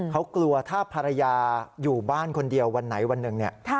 เขากลัวถ้าภรรยาอยู่บ้านคนเดียววันไหนวันหนึ่งเนี่ย